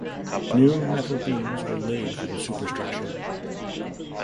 New metal beams were laid for the superstructure.